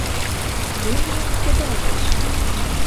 — Мо лийын кудалтыш?